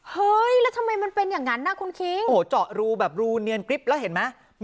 เฮ้ยแล้วทำไมมันเป็นอย่างนั้นนะคุณคิงโอ้โหเจาะรูแบบรูเนียนกริ๊บแล้วเห็นไหม